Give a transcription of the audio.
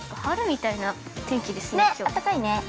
春みたいな天気ですね。